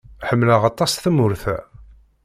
Ḥemmleɣ aṭas tamurt-a.